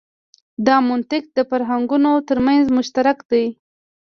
دا منطق د فرهنګونو تر منځ مشترک دی.